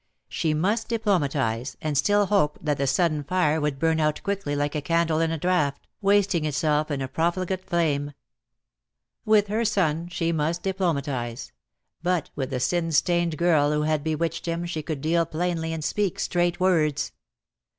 She must diplomatise, and still hope that the sudden fire would burn out quickly like a candle in a draught, wasting itself in a pro DEAD LOVTi HAS CHAINS. tSj fligate flame. With her son she must diplomatise; but with the sin stained girl who had bewitched him she could deal plainly and speak straight words.